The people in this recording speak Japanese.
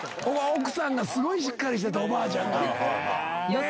奥さんがすごいしっかりしてたおばあちゃんが。